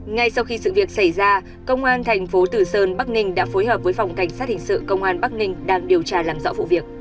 ngay sau khi sự việc xảy ra công an thành phố tử sơn bắc ninh đã phối hợp với phòng cảnh sát hình sự công an bắc ninh đang điều tra làm rõ vụ việc